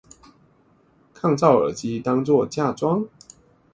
抗噪耳機當作嫁妝